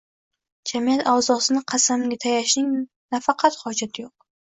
jamiyat a’zosini qasamga tayashning nafaqat hojati yo‘q